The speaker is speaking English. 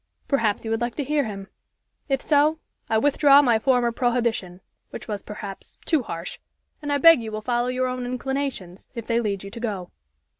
Perhaps you would like to hear him. If so, I withdraw my former prohibition, which was, perhaps, too harsh, and I beg you will follow your own inclinations, if they lead you to go."